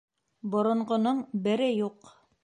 Боронғоноң бере юҡ.